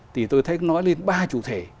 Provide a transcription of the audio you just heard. thì tôi thấy nói lên ba chủ thể